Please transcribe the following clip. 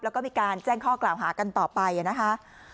แล้วก็มีการแจ้งข้อกล่าวหากันต่อไปนะคะ